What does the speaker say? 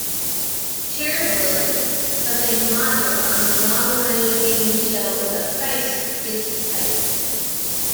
Sherwood was a model on the long running game show "The Price Is Right".